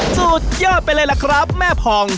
สูตรเยอะไปเลยละครับแม่พอง